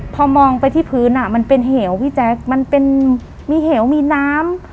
พอมองไปที่พื้นอ่ะมันเป็นเหวพี่แจ๊คมันเป็นมีเหวมีน้ำ